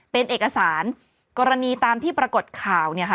เป็นเอกสารกรณีตามที่ปรากฏข่าวเนี่ยค่ะ